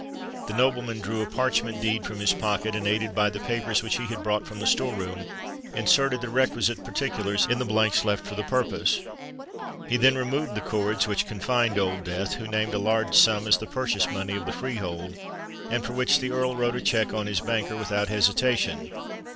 The nobleman drew a parchment deed from his pocket; and, aided by the papers which he had brought from the store room, inserted the requisite particulars in the blanks left for the purpose. He then removed the cords which confined Old Death, who named a large sum as the purchase money of the freehold, and for which the Earl wrote a cheque on his banker without hesitation.